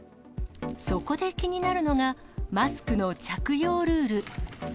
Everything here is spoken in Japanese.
そこで気になるのが、マスクの着用ルール。